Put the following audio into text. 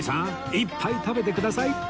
いっぱい食べてください